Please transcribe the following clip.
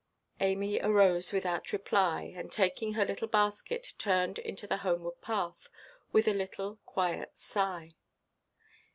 Amy arose without reply, and, taking her little basket, turned into the homeward path, with a little quiet sigh.